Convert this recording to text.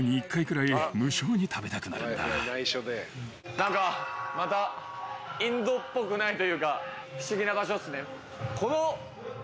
何かまたインドっぽくないというか不思議な場所っすね。